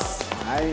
はい。